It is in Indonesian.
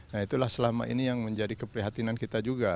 nah itulah selama ini yang menjadi keprihatinan kita juga